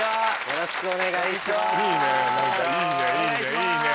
よろしくお願いしまーすいいね